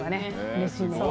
うれしいね。